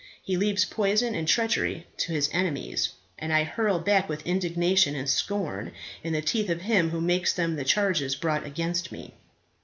He leaves poison and treachery to his enemies, and I hurl back with indignation and scorn in the teeth of him who makes them the charges brought against me."